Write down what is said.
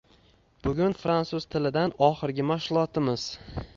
Bugun fransuz tilidan oxirgi mashg`ulotimiz